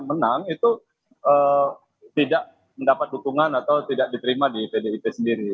menang itu tidak mendapat dukungan atau tidak diterima di pdip sendiri